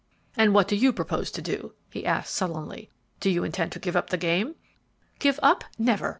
"And what do you propose to do?" he asked, sullenly. "Do you intend to give up the game?" "Give up? Never!